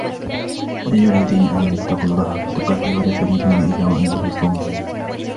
يا أيها الذين آمنوا اتقوا الله حق تقاته ولا تموتن إلا وأنتم مسلمون